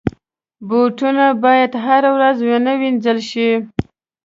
بوټونه باید هره ورځ ونه وینځل شي.